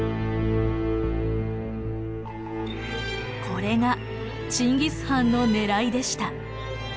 これがチンギス・ハンのねらいでした。